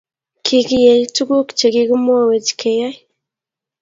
kikiyei tuguk che kikimwowech ke yai